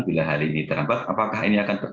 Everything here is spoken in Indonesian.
apakah ini akan berpengaruh